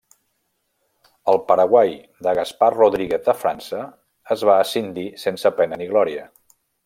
El Paraguai de Gaspar Rodríguez de França es va escindir sense pena ni glòria.